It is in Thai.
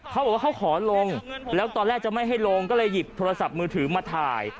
เขาบอกว่าเขาขอลงแล้วตอนแรกจะไม่ให้ลงก็เลยหยิบโทรศัพท์มือถือมาถ่าย